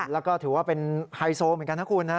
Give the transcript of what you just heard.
แล้วก็ถือว่าเป็นไฮโซเหมือนกันนะคุณนะ